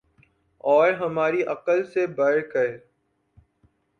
اور ہماری عقل سے بڑھ کر